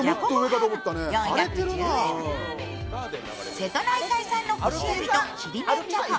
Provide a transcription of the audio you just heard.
瀬戸内海産の干しえびとちりめんじゃこ。